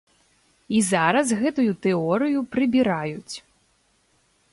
І зараз гэтую тэорыю прыбіраюць.